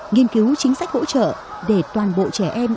nghiên cứu chính sách hỗ trợ để toàn bộ trẻ em